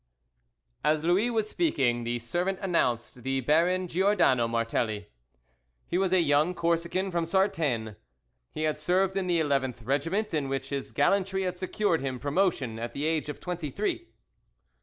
AS Louis was speaking, the servant announced the Baron Giordano Martelli. He was a young Corsican from Sartène. He had served in the 11th Regiment, in which his gallantry had secured him promotion at the age of twenty three.